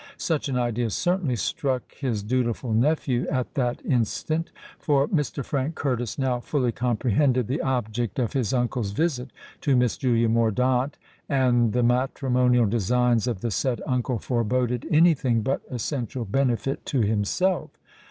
Such an idea certainly struck his dutiful nephew at that instant; for Mr. Frank Curtis now fully comprehended the object of his uncle's visit to Miss Julia Mordaunt; and the matrimonial designs of the said uncle foreboded any thing but essential benefit to himself.